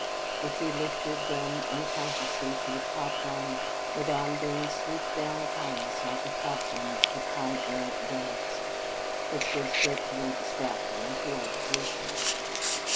If we lifted them unconsciously to the top rung, Madame Dane swooped down upon us like a falcon upon er rant doves, which was dreadfully distracting to our devotions.